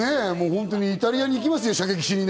本当にイタリアに行きますよ、射撃をしに。